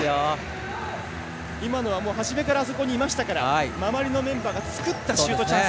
今のは、はじめからあそこにいましたから周りのメンバーが作ったシュートチャンス。